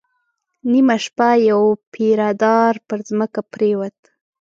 نيمه شپه يو پيره دار پر ځمکه پرېووت.